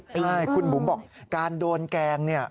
ใช่คุณบุ๋มบอกการโดนแกล้งเนี่ย